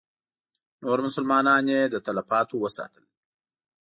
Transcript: نور مسلمانان یې له تلفاتو وساتل.